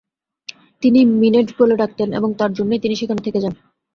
তিনি মিনেট বলে ডাকতেন এবং তার জন্যেই তিনি সেখানে থেকে যান।